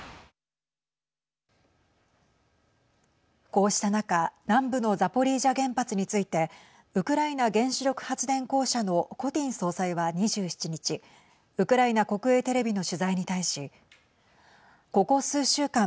こうした中南部のザポリージャ原発についてウクライナ原子力発電公社のコティン総裁は２７日ウクライナ国営テレビの取材に対しここ数週間